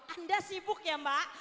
anda sibuk ya mbak